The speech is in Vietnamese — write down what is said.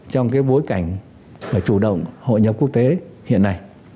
trong cái bối cảnh chủ động hội nhập quốc tế hiện nay